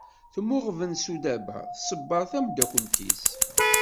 Temmuɣben Sudaba, tṣebber tamdakelt-is.